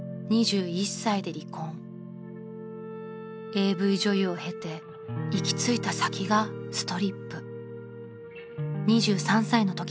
［ＡＶ女優を経て行き着いた先がストリップ］